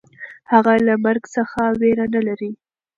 هغه له مرګ څخه وېره نهلري.